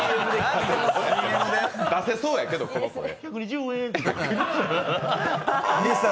出せそうやけども、これ。